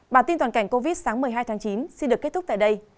bản tin toàn cảnh covid sáng một mươi hai tháng chín xin được kết thúc tại đây